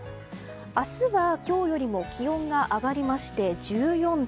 明日は今日よりも気温が上がりまして１４度。